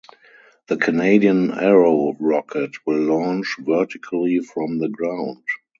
The Canadian Arrow rocket will launch vertically from the ground.